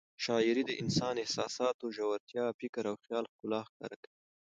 شاعري د انساني احساساتو ژورتیا، فکر او خیال ښکلا ښکاره کوي.